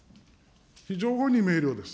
非常に明瞭です。